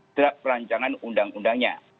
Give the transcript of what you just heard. ada perancangan undang undangnya